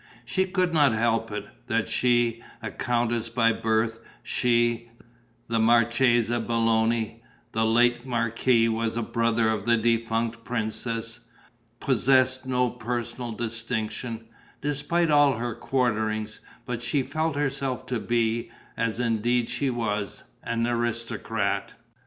She could not help it, that she, a countess by birth, she, the Marchesa Belloni the late marquis was a brother of the defunct princess possessed no personal distinction, despite all her quarterings; but she felt herself to be, as indeed she was, an aristocrat.